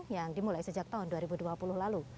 yang dimulai sejak tahun dua ribu dua puluh lalu